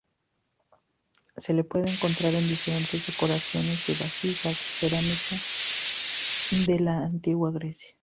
Se la puede encontrar en diferentes decoraciones de vasijas cerámicas de la Antigua Grecia.